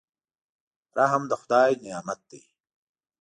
رحم د خدای نعمت دی.